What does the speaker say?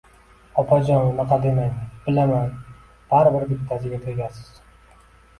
— Opajon, unaqa demang! Bilaman, baribir bittasiga tegasiz.